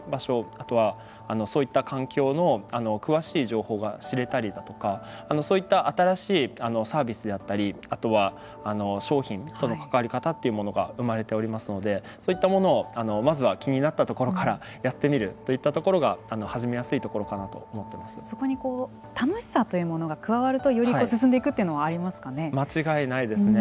あとはそういった環境の詳しい情報が知れたりだとかそういった新しいサービスであったりあとは商品との関わり方というものが生まれておりますのでそういったものをまずは気になったところからやってみるといったところが始めやすいところかなとそこに楽しさというものが加わるとより進んでいくというのは間違いないですね。